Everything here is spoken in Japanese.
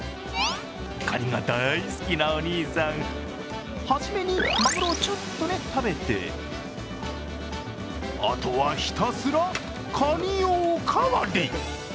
かにが大好きなお兄さん、初めにまぐろをちょっと食べて、あとは、ひたすらかにをおかわり。